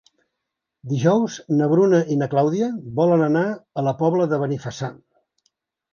Dijous na Bruna i na Clàudia volen anar a la Pobla de Benifassà.